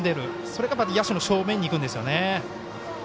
だから野手の正面にいくんですね。